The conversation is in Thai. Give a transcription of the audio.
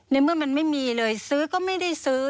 เมื่อมันไม่มีเลยซื้อก็ไม่ได้ซื้อ